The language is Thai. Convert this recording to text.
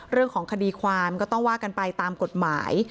เรื่องของคดีความก็ต้องว่ากันไปตามกฎหมาย